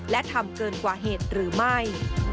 และทำเกินกว่าเหตุหรือไม่